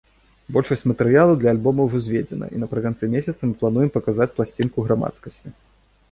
Большасць матэрыялу для альбома ўжо зведзена, і напрыканцы месяца мы плануем паказаць пласцінку грамадскасці.